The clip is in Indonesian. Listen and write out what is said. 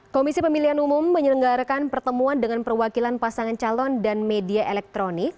komisi pemilihan umum menyelenggarakan pertemuan dengan perwakilan pasangan calon dan media elektronik